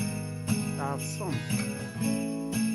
Tɛeḍsemt.